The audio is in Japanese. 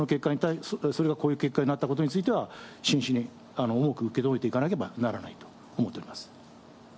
それがこういう結果になったことについては、真摯に重く受け止めていかなければならないと思っています。